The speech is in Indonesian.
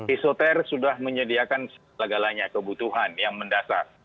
isoter sudah menyediakan segalanya kebutuhan yang mendasar